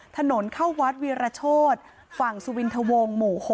ถนนเข้าวัดวีรโชธฝั่งสุวินทวงหมู่๖